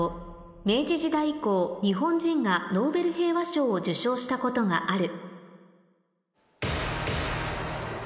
「明治時代以降日本人がノーベル平和賞を受賞したことがある」